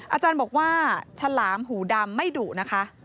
อาจารย์บอกว่าฉลามหูดำไม่ดุนะคะ